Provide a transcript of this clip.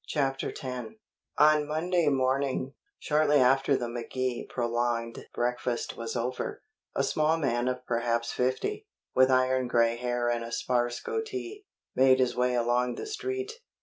CHAPTER X On Monday morning, shortly after the McKee prolonged breakfast was over, a small man of perhaps fifty, with iron gray hair and a sparse goatee, made his way along the Street.